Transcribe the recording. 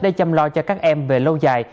để chăm lo cho các em về lâu dài